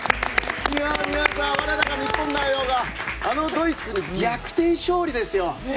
皆さん、我らが日本代表があのドイツに逆転勝利ですよ。